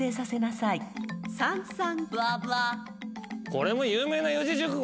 これも有名な四字熟語ですよね。